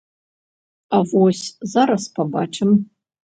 А вось зараз пабачым!